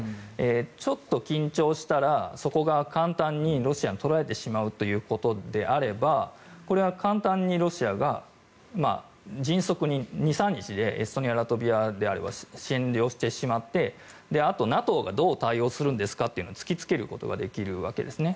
ちょっと緊張したらそこが簡単にロシアに取られてしまうということであればこれは簡単にロシアが迅速に２３日でエストニア、ラトビアであれば占領してしまってあとＮＡＴＯがどう対応するんですかというのを突きつけることができるわけですね。